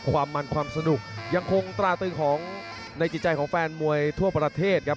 ความมันความสนุกยังคงตราตึงของในจิตใจของแฟนมวยทั่วประเทศครับ